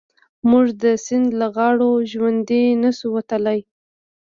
موږ د سيند له غاړو ژوندي نه شو وتلای.